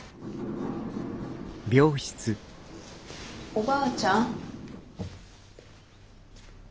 おばあちゃん？